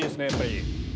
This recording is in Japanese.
やっぱり。